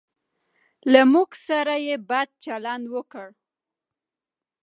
له موږ سره بد چلند وکړ.